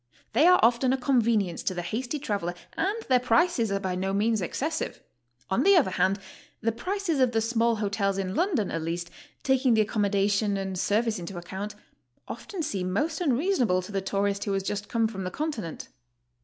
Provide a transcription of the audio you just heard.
They are often a convenience to the hasty traveler, and their prices are by no means excessive. On the other hand, the prices of the small hotels in London, at least, taking the accommo dations and service into account, often seem most unreason able to 'the tourist who has just come from the Continent.